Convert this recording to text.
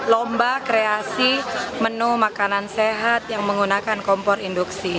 lomba kreasi menu makanan sehat yang menggunakan kompor induksi